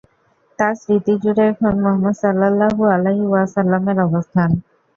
তাঁর স্মৃতিজুড়ে এখন মুহাম্মাদ সাল্লাল্লাহু আলাইহি ওয়াসাল্লাম-এর অবস্থান।